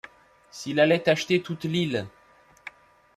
S’il allait acheter toute l’île!